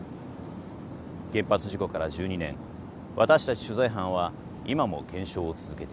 原発事故から１２年私たち取材班は今も検証を続けています。